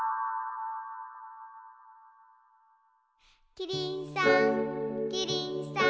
キリンさんキリンさん